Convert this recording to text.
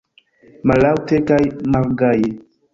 Mallaŭte kaj malgaje.